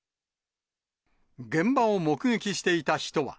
現場を目撃していた人は。